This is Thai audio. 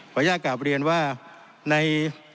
อนุญาตกลับเรียนว่าใน